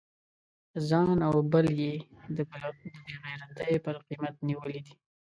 ځان او بل یې د بې غیرتی پر قیمت نیولی دی.